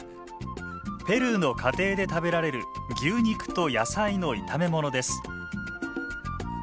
ペルーの家庭で食べられる牛肉と野菜の炒めものです